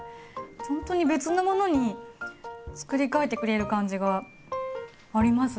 ほんとに別のものにつくり替えてくれる感じがありますね。